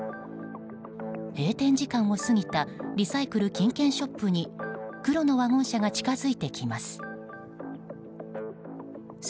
閉店時間を過ぎたリサイクル・金券ショップに黒のワゴン車が近づいてきます。